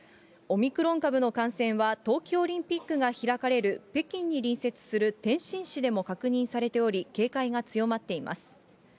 オミクロン株の感染は、冬季オリンピックが開かれる北京に隣接する天津市でも確認されており、警戒が強まっています。